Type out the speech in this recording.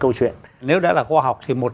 câu chuyện nếu đã là khoa học thì một